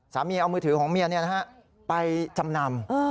สามีเอามือถือของเมียไปจำนำ